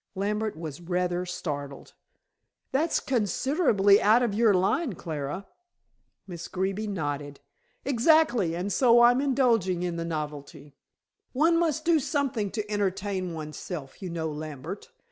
Lambert was rather startled. "That's considerably out of your line, Clara." Miss Greeby nodded. "Exactly, and so I'm indulging in the novelty. One must do something to entertain one's self, you know, Lambert.